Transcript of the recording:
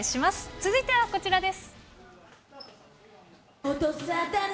続いてはこちらです。